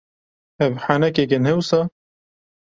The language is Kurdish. Ev henekek e, ne wisa?